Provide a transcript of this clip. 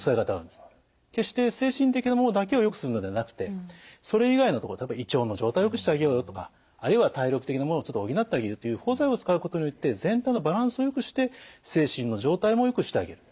決して精神的なものだけをよくするのではなくてそれ以外のところ例えば胃腸の状態をよくしてあげようよとかあるいは体力的なものをちょっと補ってあげるという補剤を使うことによって全体のバランスをよくして精神の状態もよくしてあげる。